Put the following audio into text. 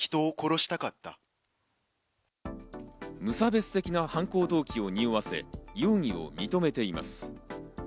無差別的な犯行動機をにおわせ、容疑を認めています。